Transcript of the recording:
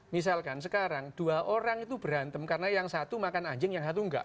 misalkan sekarang dua orang itu berantem karena yang satu makan anjing yang satu enggak